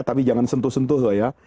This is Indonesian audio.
tapi jangan sentuh sentuh